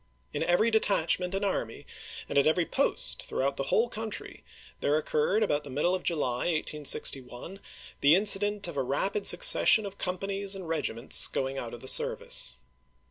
In every detachment and army, and at every post, throughout the whole country, there occurred about the middle of July, 1861, the incident of a rapid succession of companies and regiments going out of the service.